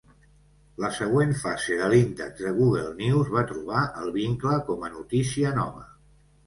La següent fase de l'índex de Google News va trobar el vincle com a notícia nova.